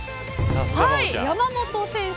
山本選手